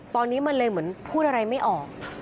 ตอนนี้มันเลยเหมือนพูดอะไรไม่ออก